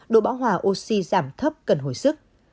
độ bão hòa oxy giảm thấp cần hồi sức